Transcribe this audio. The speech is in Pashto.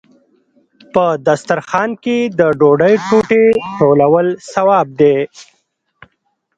په دسترخان کې د ډوډۍ ټوټې ټولول ثواب دی.